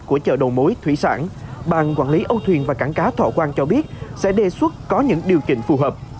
của chợ đồ mối thủy sản bàn quản lý âu thuyền và cảng cá thọ quang cho biết sẽ đề xuất có những điều kiện phù hợp